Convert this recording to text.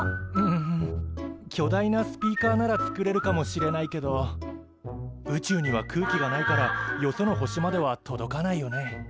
うん巨大なスピーカーなら作れるかもしれないけど宇宙には空気がないからよその星までは届かないよね。